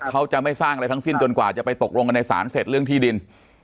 เขาจะไม่สร้างอะไรทั้งสิ้นจนกว่าจะไปตกลงกันในศาลเสร็จเรื่องที่ดิน